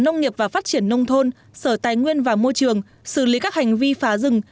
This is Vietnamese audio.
nông thôn sở tài nguyên và môi trường xử lý các hành vi phá rừng